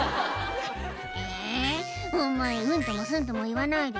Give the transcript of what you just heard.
「えぇお前うんともすんともいわないで」